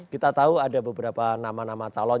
kita tahu ada beberapa nama nama calon